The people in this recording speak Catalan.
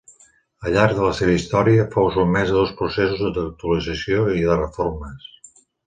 Al llarg de la seva història, fou sotmès a dos processos d'actualització i de reformes.